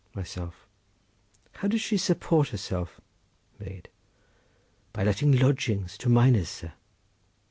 Myself.—How does she support herself? Maid.—By letting lodgings to miners, sir.